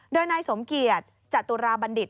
โดยนายสมเกียจจตุราบัณฑิต